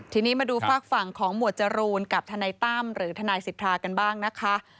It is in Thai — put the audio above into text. ทีนี้มาดูฝากฝั่งของหมวดจรูนกับทนายตั้มหรือทนายสิทธากันบ้างนะคะ